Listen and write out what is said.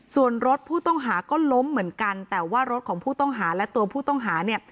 ส่วนรถผู้ต้องหาก็ล้มเหมือนกันแต่ว่ารถของผู้ต้องหาและตัวผู้ต้องหาเนี่ย